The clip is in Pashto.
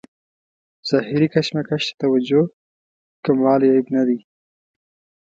ظاهري کشمکش ته توجه کموالی عیب نه دی.